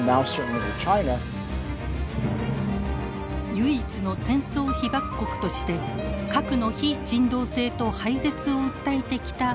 唯一の戦争被爆国として核の非人道性と廃絶を訴えてきた日本。